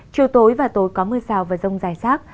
chiều tối và tối có mưa rào và rông dài rác